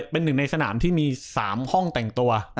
เป็นหนึ่งในสนามที่มี๓ห้องแต่งตัว